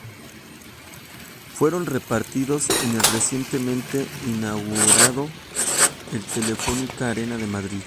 Fueron repartidos en el recientemente inaugurado el Telefónica Arena de Madrid.